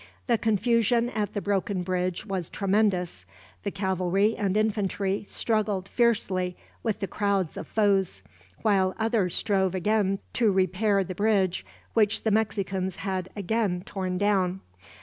The confusion at the broken bridge was tremendous. The cavalry and infantry struggled fiercely with the crowds of foes, while others strove again to repair the bridge which the Mexicans had again torn down.